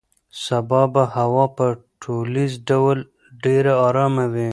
سبا به هوا په ټولیز ډول ډېره ارامه وي.